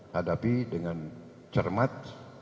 hadapi dengan cermat